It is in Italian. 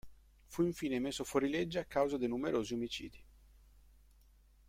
Fu infine messo fuorilegge a causa dei numerosi omicidi.